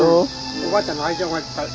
おばあちゃんの愛情がいっぱい。